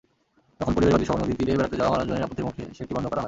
তখন পরিবেশবাদীসহ নদীতীরে বেড়াতে যাওয়া মানুষজনের আপত্তির মুখে সেটি বন্ধ করা হয়।